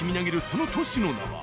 その都市の名は。